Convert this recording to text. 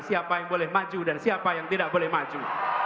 siapa yang boleh maju dan siapa yang tidak boleh maju